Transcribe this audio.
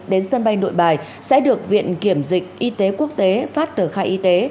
đến sân bay nội bài sẽ được viện kiểm dịch y tế quốc tế phát tờ khai y tế